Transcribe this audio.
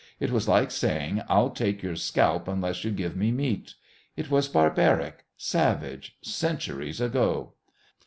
It was like saying, "I'll take your scalp unless you give me meat." It was barbaric, savage, centuries ago.